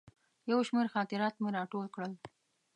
یو شمېر خاطرات مې راټول کړل.